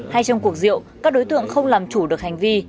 hay trong cuộc rượu các đối tượng không làm chủ được hành vi